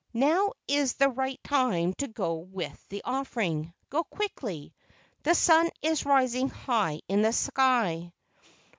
Now is the right time to go with the offering. Go quickly. The sun is ris¬ ing high in the sky."